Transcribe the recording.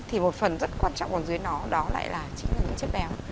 thì một phần rất quan trọng ở dưới nó đó lại là chính là những chất béo